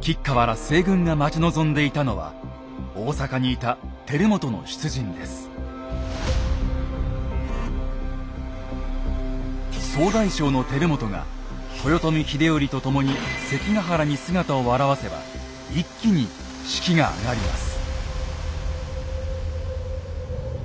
吉川ら西軍が待ち望んでいたのは大坂にいた総大将の輝元が豊臣秀頼と共に関ヶ原に姿を現せば一気に士気が上がります。